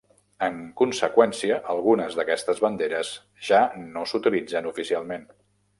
En conseqüència, algunes d'aquestes banderes ja no s'utilitzen oficialment.